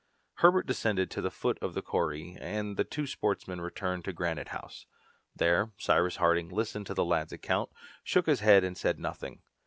Herbert descended to the foot of the kauri, and the two sportsmen returned to Granite House. There Cyrus Harding listened to the lad's account, shook his head and said nothing.